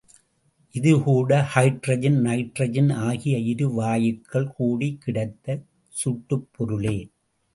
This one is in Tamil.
இதுகூட ஹைட்ரஜன், நைட்ரஜன் ஆகிய இரு வாயுக்கள் கூடிக் கிடைத்த சுட்டுப் பொருளே.